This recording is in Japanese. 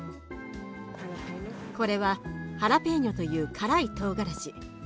これはハラペーニョという辛いトウガラシ。